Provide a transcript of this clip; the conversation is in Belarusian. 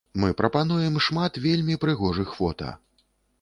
Мы прапануем шмат вельмі прыгожых фота!